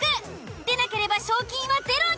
出なければ賞金はゼロに。